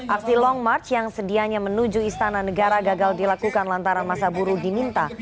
aksi long march yang sedianya menuju istana negara gagal dilakukan lantaran masa buruh diminta